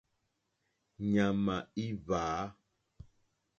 Ɲàmà í hwǎ.